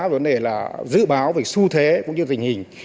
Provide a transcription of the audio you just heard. vấn đề là dự báo về xu thế cũng như tình hình